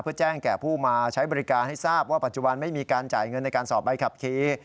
เพื่อแจ้งแก่ผู้มาใช้บริการให้ทราบว่าปัจจุบันไม่มีการจ่ายเงินในการสอบใบขับขี่